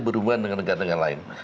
berhubungan dengan negara negara lain